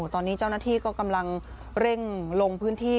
ตอนนี้เจ้าหน้าที่ก็กำลังเร่งลงพื้นที่